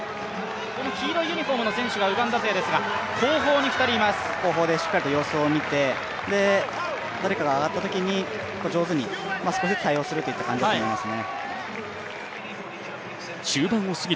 黄色いユニフォームの選手がウガンダ勢ですが、後方でしっかりと様子を見て、誰かが上がったとき上手に、少しずつ対応するという感じだと思いますね。